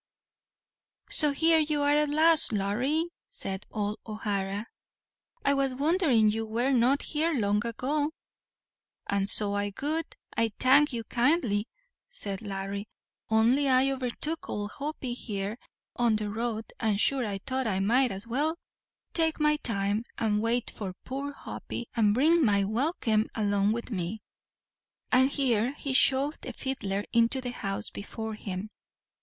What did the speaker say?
"So here you are at last, Larry," said old O'Hara; "I was wondering you were not here long ago." "An' so I would, I thank you kindly," said Larry, "only I overtook owld Hoppy here, on the road, and sure I thought I might as well take my time, and wait for poor Hoppy, and bring my welkim along with me;" and here he shoved the fiddler into the house before him.